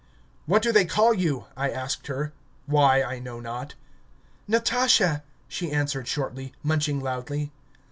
"What do they call you?" I asked her why I know not. "Natasha," she answered shortly, munching loudly.